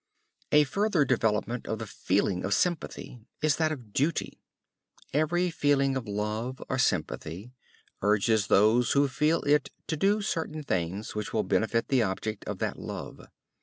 A further development of the feeling of sympathy is that of duty. Every feeling of love or sympathy urges those who feel it to do certain things which will benefit the object of that love.